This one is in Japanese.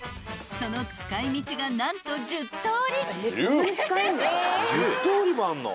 その使い道が何と１０とおり］